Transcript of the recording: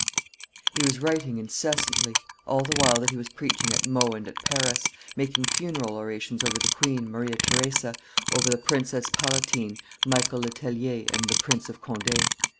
He was writing incessantly, all the while that he was preaching at Meaux and at Paris, making funeral orations over the queen, Maria Theresa, over the Princess Palatine, Michael Le Tellier, and the Prince of Conde.